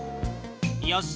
よし。